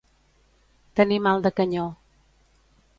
Tenir mal de canyó.